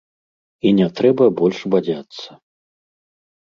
І не трэба больш бадзяцца.